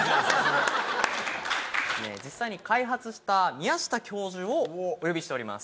実際に開発した宮下教授をお呼びしております。